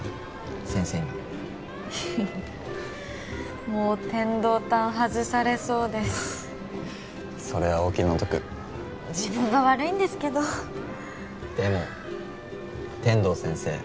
先生にもう天堂担外されそうですそれはお気の毒自分が悪いんですけどでも天堂先生